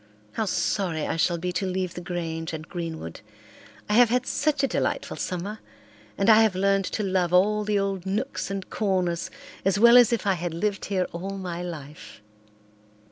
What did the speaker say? How sorry I shall be to leave the Grange and Greenwood. I have had such a delightful summer, and I have learned to love all the old nooks and corners as well as if I had lived here all my life."